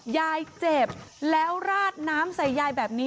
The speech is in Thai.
ยายเจ็บแล้วราดน้ำใส่ยายแบบนี้